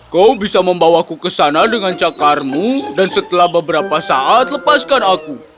kau bisa membawaku ke sana dengan cakarmu dan setelah beberapa saat lepaskan aku